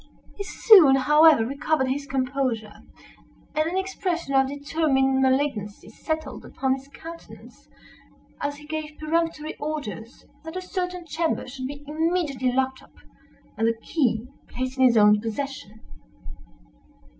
He soon, however, recovered his composure, and an expression of determined malignancy settled upon his countenance, as he gave peremptory orders that a certain chamber should be immediately locked up, and the key placed in his own possession.